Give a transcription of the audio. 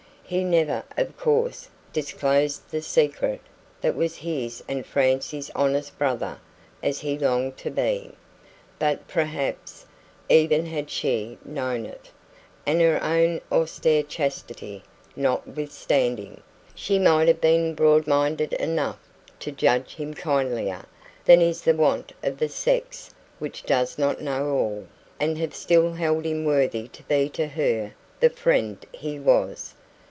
He never, of course, disclosed the secret that was his and Francie's, honest brother as he longed to be; but perhaps, even had she known it, and her own austere chastity notwithstanding, she might have been broad minded enough to judge him kindlier than is the wont of the sex which does not know all, and have still held him worthy to be to her the friend he was.